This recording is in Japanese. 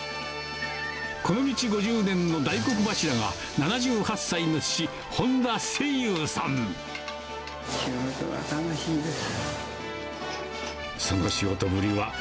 この道５０年の大黒柱が、７８歳の父、仕事は楽しいです。